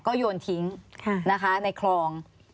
ก็โยนทิ้งนะคะในคลอง